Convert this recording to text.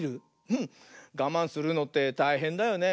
うんがまんするのってたいへんだよね。